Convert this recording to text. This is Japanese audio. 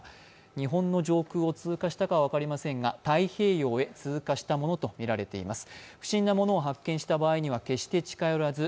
日本の上空を通過したかは分かりませんが太平洋へ通過したものとみられています。